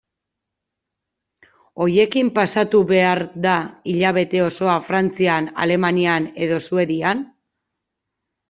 Horiekin pasatu behar da hilabete osoa Frantzian, Alemanian edo Suedian?